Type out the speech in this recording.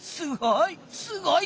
すごい！